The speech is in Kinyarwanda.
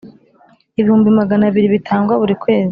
Ibihumbi magana abiri bitangwa burikwezi.